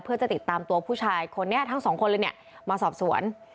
เพื่อจะติดตามตัวผู้ชายคนนี้ทั้งสองคนเลยเนี่ยมาสอบสวน